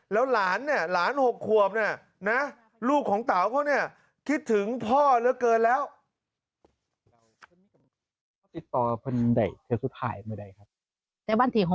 แล้วหลานเนี่ยหลานหกขวบนะลูกของเต๋าเขาเนี่ย